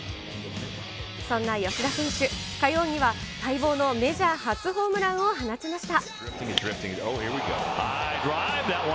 そんな吉田選手、火曜には、待望のメジャー初ホームランを放ちました。